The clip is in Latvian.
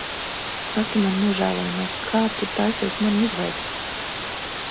Saki man, nožēlojamais, kā tu taisies mani uzveikt?